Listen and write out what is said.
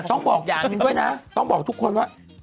แต่ต้องบอกทุกคนว่า